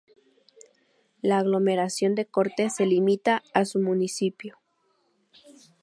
La aglomeración de Corte se limita a su municipio.